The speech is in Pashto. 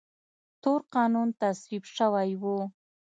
تور قانون تصویب شوی و.